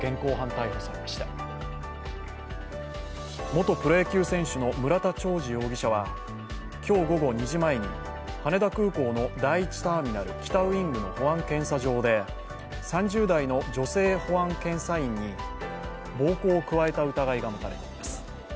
元プロ野球選手の村田兆治容疑者は今日午後２時前に羽田空港の第１ターミナル北ウイングの保安検査場で３０代の女性保安検査員に暴行を加えた疑いが持たれています。